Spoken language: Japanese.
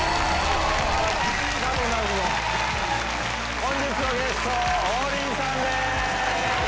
本日のゲスト、王林さんです。